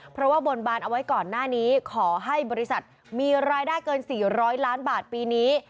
เพราะว่าบนบานเอาไว้ก่อนหน้านี้ขอให้บริษัทมีรายได้เกิน๔๐๐ล้านบาทปีนี้